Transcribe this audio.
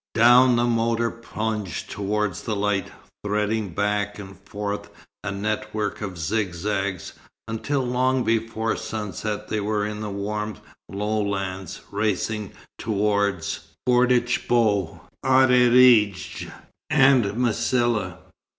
Down the motor plunged towards the light, threading back and forth a network of zig zags, until long before sunset they were in the warm lowlands, racing towards Bordj bou Arreredj and Msila.